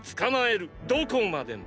どこまでも！